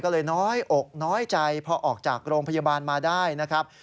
ก็เลยน้อยอกน้อยใจพอออกจากโรงพยาบาลมาได้นะครับ